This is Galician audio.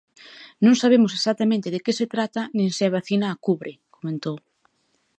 "Non sabemos exactamente de que se trata nin se a vacina a cubre", comentou.